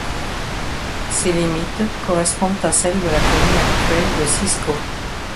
Ses limites correspondent à celles de la commune actuelle de Sisco.